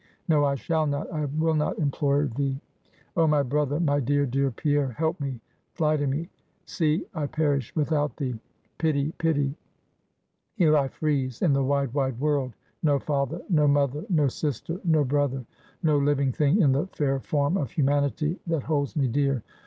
No, I shall not, I will not implore thee. Oh, my brother, my dear, dear Pierre, help me, fly to me; see, I perish without thee; pity, pity, here I freeze in the wide, wide world; no father, no mother, no sister, no brother, no living thing in the fair form of humanity, that holds me dear.